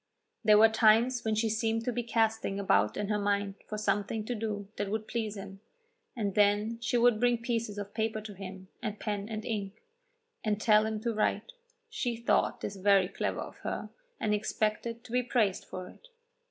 There were times when she seemed to be casting about in her mind for something to do that would please him, and then she would bring pieces of paper to him, and pen and ink, and tell him to write. She thought this very clever of her, and expected to be praised for it.